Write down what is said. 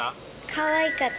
かわいかった。